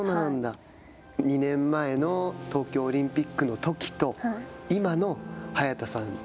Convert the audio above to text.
２年前の東京オリンピックのときと、今の早田さん